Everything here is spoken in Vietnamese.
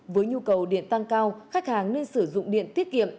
với nhu cầu điện tăng cao khách hàng nên sử dụng điện tiết kiệm